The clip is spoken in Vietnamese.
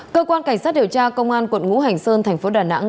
cơ quan cảnh sát điều tra công an quận ngũ hành sơn tp đà nẵng